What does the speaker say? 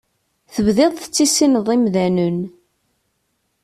Tebdiḍ tettissineḍ imdanen.